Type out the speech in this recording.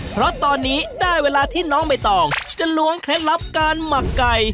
เพราะตอนนี้ได้เวลาที่น้องใบตองจะล้วงเคล็ดลับการหมักไก่